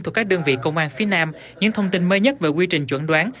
thuộc các đơn vị công an phía nam những thông tin mới nhất về quy trình chuẩn đoán